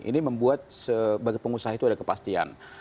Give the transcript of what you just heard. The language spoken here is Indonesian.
ini membuat sebagai pengusaha itu ada kepastian